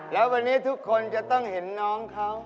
แล้ววันนี้ทุกคนจะต้องเห็นน้องเขา